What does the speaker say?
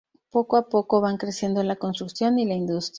Poco a poco van creciendo la construcción y la industria.